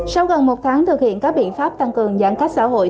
sau gần một tháng thực hiện các biện pháp tăng cường giãn cách xã hội